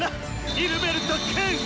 イルベルトくん！